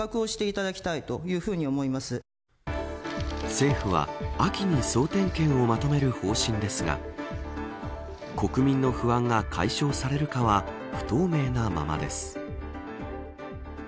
政府は秋に総点検をまとめる方針ですが国民の不安が解消されるかは不透明なままです。